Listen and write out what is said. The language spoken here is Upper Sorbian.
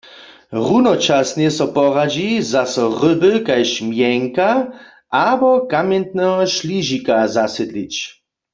Runočasnje so poradźi, zaso ryby kaž mjenka abo kamjentneho šližika zasydlić.